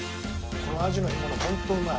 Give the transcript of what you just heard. このアジの干物ホントうまい。